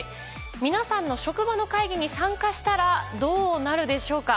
皆さんの職場の会議に参加したらどうなるでしょうか。